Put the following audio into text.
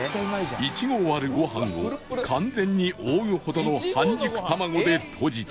１合あるご飯を完全に覆うほどの半熟卵でとじた